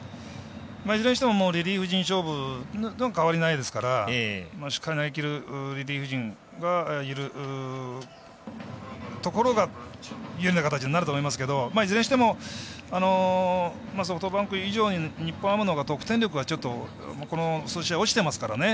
いずれにしてもリリーフ陣勝負には変わりないですからしっかり投げきるリリーフ陣がいるところが有利な形になると思いますけどいずれにしてもソフトバンク以上に日本ハムのほうが得点力がこの試合、落ちてますからね。